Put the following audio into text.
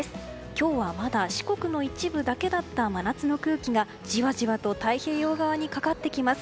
今日はまだ四国の一部だけだった真夏の空気がじわじわと太平洋側にかかってきます。